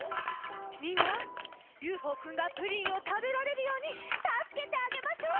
みんなＵＦＯくんがプリンをたべられるようにたすけてあげましょう。